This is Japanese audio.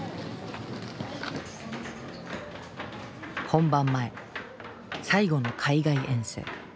本番前最後の海外遠征。